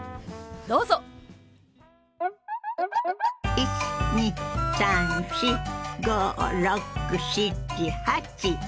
１２３４５６７８。